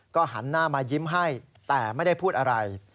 ก็หันหน้ามายิ้มให้แต่ไม่ได้พูดอะไร